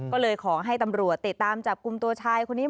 ก็เลยขอให้ตำรวจติดตามจับกลุ่มตัวชายคนนี้